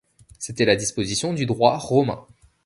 C’est la disposition du droit romain.